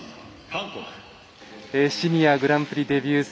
シニアグランプルデビュー戦。